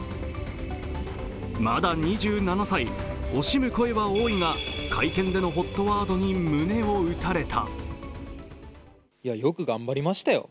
まだ２７歳、惜しむ声は多いが会見でのＨＯＴワードに胸を打たれた。